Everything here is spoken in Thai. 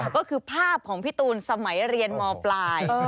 ก็คือภาพของพี่ตูนสมัยเรียนมปลาย